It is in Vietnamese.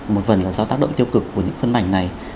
một phần là do tác động tiêu cực của những phân mảnh này